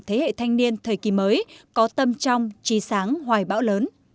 thế hệ thanh niên thời kỳ mới có tâm trong trí sáng hoài bão lớn